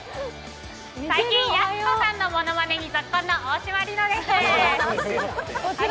最近やす子さんのものまねにゾッコンの大島璃乃です。